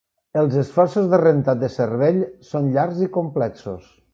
Els esforços de rentat de cervell són llargs i complexos.